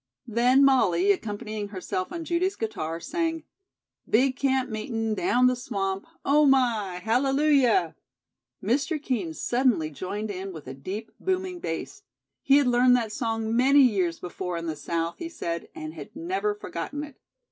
Then Molly, accompanying herself on Judy's guitar, sang: "Big camp meetin' down the swamp, Oh, my! Hallelujah!" Mr. Kean suddenly joined in with a deep, booming bass. He had learned that song many years before in the south, he said, and had never forgotten it.